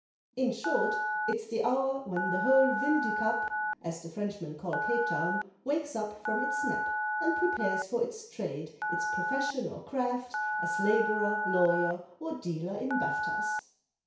In short, it's the hour when the whole Ville du Cap (As the Frenchmen call Cape Town) wakes up from its nap And prepares for its trade, its profession or craft, as Labourer, lawyer, or dealer in baftas.